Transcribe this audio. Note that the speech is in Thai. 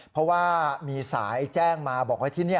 เพราะว่ามีสายแจ้งมาบอกว่าที่นี่